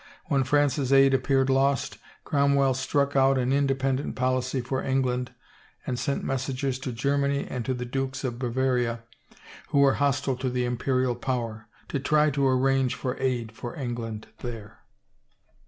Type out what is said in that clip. When France's aid appeared lost, Cromwell struck out an in dependent policy for England and sent messengers to Germany and to the Dukes of Bavaria who were hostile to the Imperial power, to try to arrange for aid for England there.